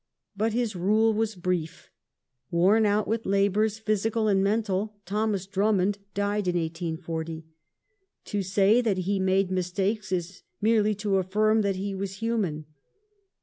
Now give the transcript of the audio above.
But his rule was brief Worn out with labours, physical and mental, Thomas Drummond died in 1840. To say that he made mistakes is merely to affirm that he was human.